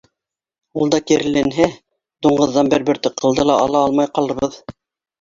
Ул да киреләнһә, дуңғыҙҙан бер бөртөк ҡылды ла ала алмай ҡалырбыҙ.